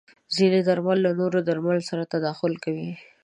ځینې درمل له نورو درملو سره تداخل کوي.